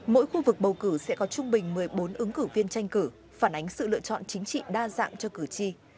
mỗi khu vực bầu cử sẽ có trung bình một mươi bốn ứng cử viên tranh cử phản ánh sự lựa chọn chính trị đa dạng cho cử tri